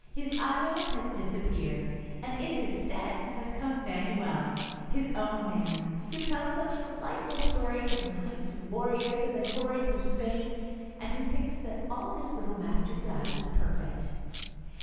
His ayo has disappeared, and in his stead has come Manuel, his own man, who tells such delight ful stories of knights and warriors and the glories of Spain, and who thinks that all his little master does is perfect.